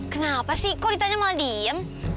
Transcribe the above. kenapa sih kok ditanya malah diem